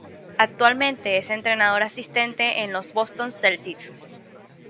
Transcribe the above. Actualmente es entrenador asistente en los Boston Celtics.